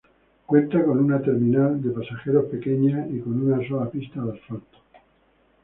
Cuenta con una terminal de pasajeros pequeña y con una sola pista de asfalto.